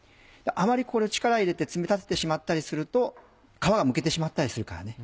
あまりこれ力入れて爪立ててしまったりすると皮がむけてしまったりするからね。